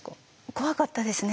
怖かったですね。